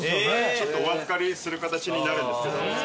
ちょっとお預かりする形になるんですけど。